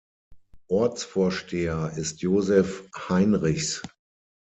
Ortsvorsteher ist Josef Heinrichs.